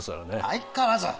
相変わらず？